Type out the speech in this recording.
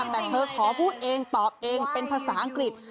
แต่เธอขอพูดเองตอบเองเป็นภาษาอังกฤษ